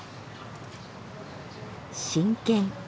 真剣。